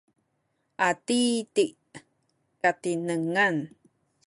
adidi’ katinengan